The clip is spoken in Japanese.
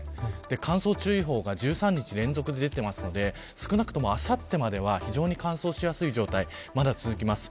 乾燥注意報が１３日連続で出ていますので少なくともあさってまでは非常に乾燥しやすい状態が続きます。